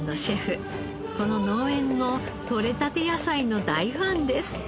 この農園の採れたて野菜の大ファンです。